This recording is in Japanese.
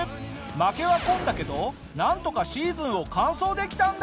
負けは込んだけどなんとかシーズンを完走できたんだ！